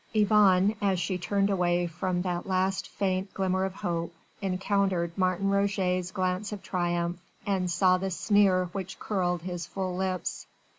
Yvonne as she turned away from that last faint glimmer of hope, encountered Martin Roget's glance of triumph and saw the sneer which curled his full lips.